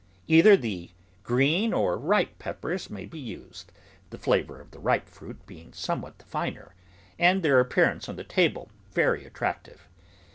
Either the green or ripe peppers may be used, the flavour of the ripe fruit being somewhat the finer, and their appearance on the table very attractive.